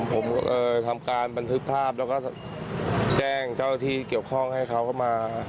ผมทำการบันทึกภาพแล้วก็แจ้งเจ้าที่เกี่ยวข้องให้เขาเข้ามา